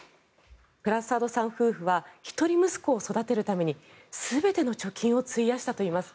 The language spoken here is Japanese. プラサードさん夫婦は一人息子を育てるために全ての貯金を費やしたといいます。